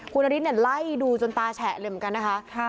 คุณนฤทธิ์ไล่ดูจนตาแฉะเลยเหมือนกันนะคะ